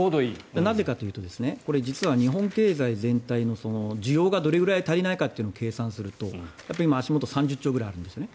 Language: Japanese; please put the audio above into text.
なぜかというと実は日本経済全体の需要がどれくらい足りなかというのを計算すると足元３０兆円ぐらいあるんですね。